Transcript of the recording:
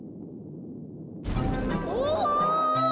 お！